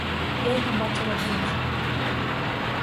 Я його бачила двічі.